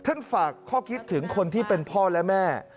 ฝากข้อคิดถึงคนที่เป็นพ่อและแม่